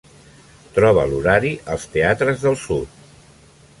Troba l'horari als teatres del sud.